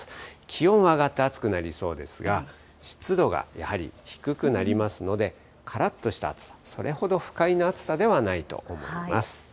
気温は上がって暑くなりそうですが、湿度がやはり低くなりますので、からっとした暑さ、それほど不快な暑さではないと思います。